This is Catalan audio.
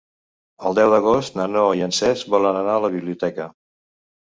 El deu d'agost na Noa i en Cesc volen anar a la biblioteca.